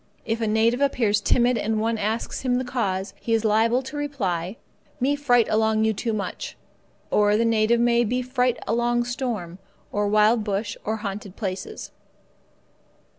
If a native appears timid and one asks him the cause, he is liable to hear in reply: "Me fright along you too much." Or the native may be fright along storm, or wild bush, or haunted places.